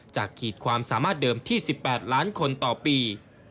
ขีดความสามารถเดิมที่๑๘ล้านคนต่อปี